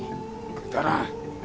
くだらん。